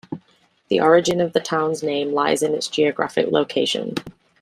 The origin of the town's name lies in its geographic location.